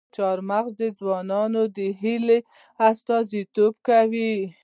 چار مغز د افغان ځوانانو د هیلو استازیتوب کوي.